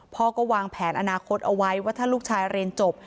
พ่อก็วางแผนอนาคตเอาไว้ว่าถ้าลูกชายเรียนจบ